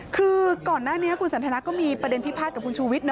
คือก่อนหน้านี้คุณสันทนาก็มีประเด็นพิพาทกับคุณชูวิทย์นะ